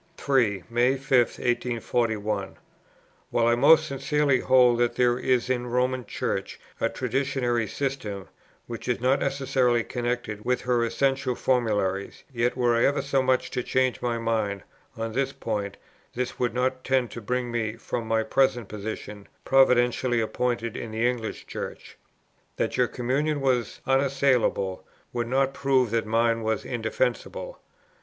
3. "May 5, 1841. While I most sincerely hold that there is in the Roman Church a traditionary system which is not necessarily connected with her essential formularies, yet, were I ever so much to change my mind on this point, this would not tend to bring me from my present position, providentially appointed in the English Church. That your communion was unassailable, would not prove that mine was indefensible.